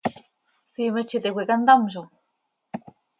¿Siimet z iti cöica ntamzo?